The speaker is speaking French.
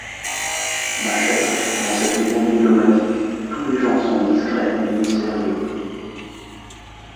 Ma chère, dans cette maison diplomatique, tous les gens sont discrets et mystérieux.